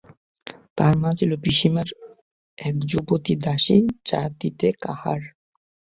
তার মা ছিল পিসিমার এক যুবতী দাসী, জাতিতে কাহার।